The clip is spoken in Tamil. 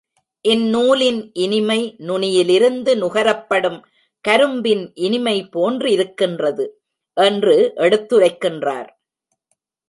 இந்நூலின் இனிமை நுனியிலிருந்து நுகரப்படும் கரும்பின் இனிமை போன்றிருக்கின்றது. என்று எடுத்துரைக்கின்றார்.